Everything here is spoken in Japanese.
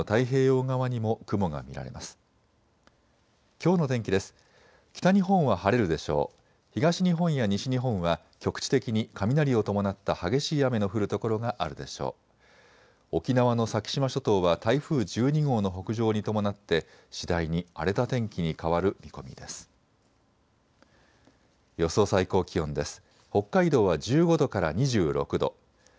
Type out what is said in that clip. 沖縄の先島諸島は台風１２号の北上に伴って次第に荒れた天気に変わる見込みです。